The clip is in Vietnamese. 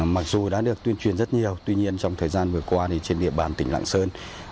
mặc dù đã được tuyên truyền rất nhiều tuy nhiên trong thời gian vừa qua trên địa bàn tỉnh lạng sơn